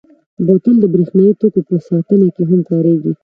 بوتل د برېښنايي توکو په ساتنه کې هم کارېږي.